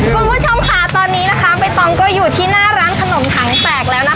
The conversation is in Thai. คุณผู้ชมค่ะตอนนี้นะคะใบตองก็อยู่ที่หน้าร้านขนมถังแตกแล้วนะคะ